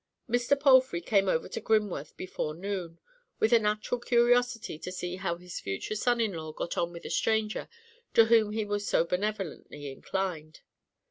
Mr. Palfrey came over to Grimworth before noon, with a natural curiosity to see how his future son in law got on with the stranger to whom he was so benevolently inclined.